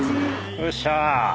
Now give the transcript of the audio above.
うっしゃ。